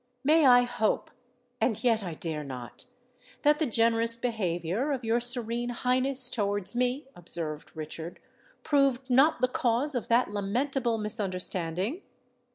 "May I hope—and yet I dare not—that the generous behaviour of your Serene Highness towards me," observed Richard, "proved not the cause of that lamentable misunderstanding?"